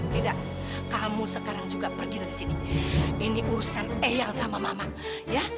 tidak kamu sekarang juga pergi dari sini ini urusan ehal sama mama ya